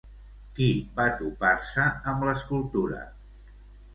Qui va topar-se amb l'escultura?